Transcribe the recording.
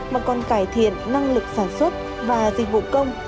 mà còn cải thiện năng lực sản xuất và dịch vụ công